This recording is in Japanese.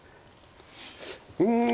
うん。